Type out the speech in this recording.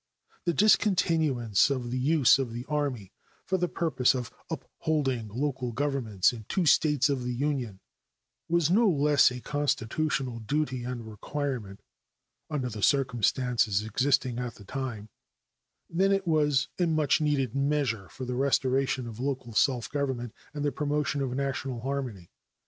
The discontinuance of the use of the Army for the purpose of upholding local governments in two States of the Union was no less a constitutional duty and requirement, under the circumstances existing at the time, than it was a much needed measure for the restoration of local self government and the promotion of national harmony.